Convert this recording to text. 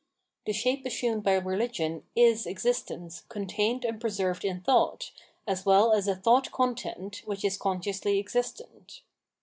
The shape assumed by religion is existence contained and preserved in thought, as well as a thought content which is consciously existent.